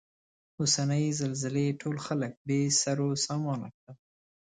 اوسنۍ زلزلې ټول خلک بې سرو سامانه کړل.